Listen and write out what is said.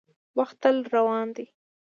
• وخت تل روان دی.